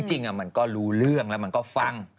จริงมันก็รู้เรื่องแล้วมันก็ฟัง